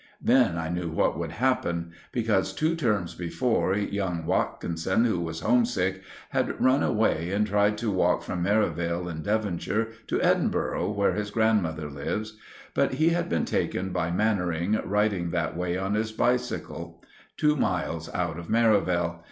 Then I knew what would happen; because two terms before, young Watkinson, who was homesick, had run away and tried to walk from Merivale, in Devonshire, to Edinburgh, where his grandmother lives; but he had been taken by Mannering riding that way on his bicycle, two miles out of Merivale.